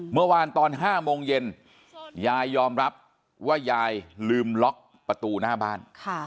เมื่อวานตอน๕โมงเย็นยายยอมรับว่ายายลืมล็อกประตูหน้าบ้าน